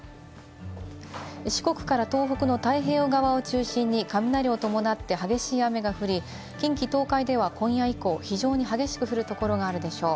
四国から東北の太平洋側を中心に雷を伴って激しい雨が降り、近畿、東海では今夜以降、非常に激しく降るところがあるでしょう。